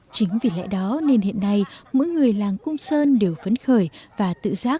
chính vì lẽ đó nên hiện nay mỗi người làng cung sơn đều phấn khởi và tự giác